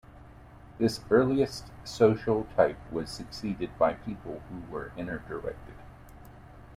This earliest social type was succeeded by people who were inner-directed.